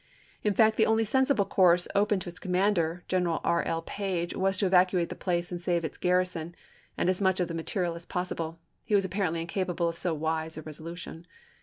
In fact the only sensible course open to its commander, General E. L. Page, was to evacuate the place and save its garrison and as much of the material as possible. He was apparently incapable of so wise a resolution.